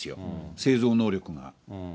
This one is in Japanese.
製造能力が。